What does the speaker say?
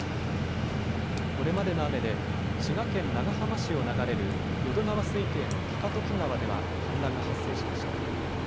これまでの雨で、滋賀県長浜市を流れる淀川水系の高時川では氾濫が発生しました。